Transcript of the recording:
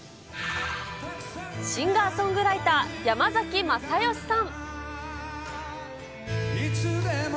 シンガーソングライター、山崎まさよしさん。